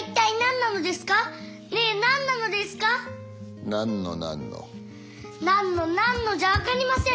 なんのなんのじゃ分かりません！